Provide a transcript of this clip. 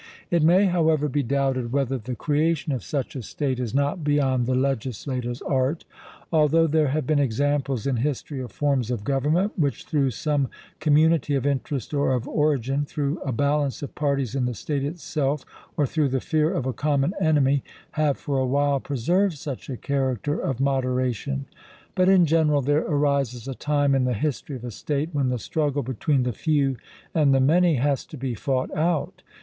It may however be doubted whether the creation of such a state is not beyond the legislator's art, although there have been examples in history of forms of government, which through some community of interest or of origin, through a balance of parties in the state itself, or through the fear of a common enemy, have for a while preserved such a character of moderation. But in general there arises a time in the history of a state when the struggle between the few and the many has to be fought out.